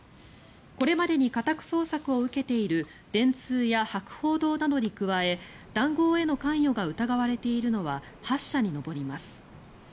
これまでに家宅捜索を受けている電通や博報堂などに加え談合への関与が疑われているのは８社に上ります。